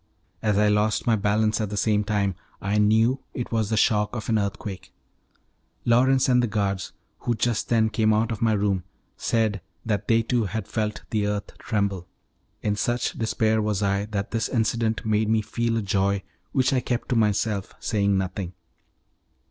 As I lost my balance at the same time, I knew it was the shock of an earthquake. Lawrence and the guards, who just then came out of my room, said that they too, had felt the earth tremble. In such despair was I that this incident made me feel a joy which I kept to myself, saying nothing.